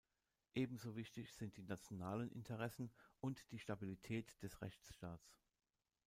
Ebenso wichtig sind die nationalen Interessen und die Stabilität des Rechtsstaats.